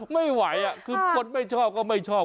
ไม่ไหวคือคนไม่ชอบก็ไม่ชอบ